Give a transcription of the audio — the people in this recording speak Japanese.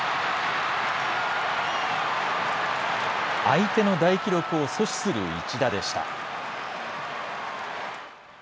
相手の大記録を阻止する一打でした。